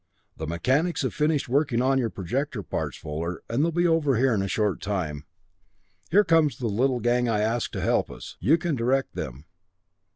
"The mechanics have finished working on your projector parts, Fuller, and they'll be over here in a short time. Here comes the little gang I asked to help us. You can direct them."